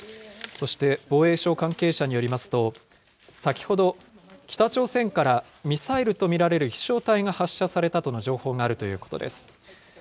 そして防衛省関係者によりますと、先ほど、北朝鮮からミサイルと見られる飛しょう体が発射されたとの情報があるということです。